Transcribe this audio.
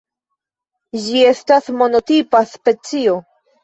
Ĝi estas monotipa specio.